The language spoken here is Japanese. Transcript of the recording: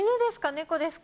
猫ですか？